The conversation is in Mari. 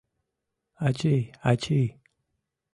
Ачий, ачий!